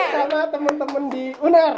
sama temen temen di unar